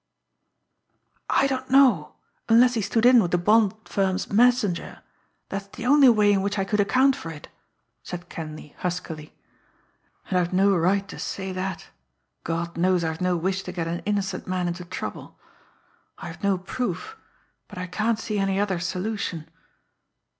"I don't know, unless he stood in with the bond firm's messenger; that's the only way in which I could account for it," said Kenleigh huskily. "And I've no right to say that God knows I've no wish to get an innocent man into trouble. I've no proof but I can't see any other solution."